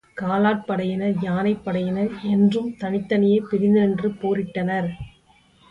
காலாட்படையினர், யானைப்படையினர் என்றும் தனித்தனியே பிரிந்து நின்று போரிட்டனர்.